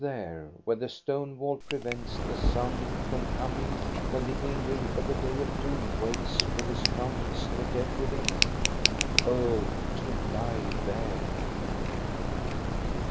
352 THE STORY OF GOSTA BERLING where the stone wall prevents the sound from com ing when the angel of the day of doom wakes with his trumpet the dead within, — oh, to lie there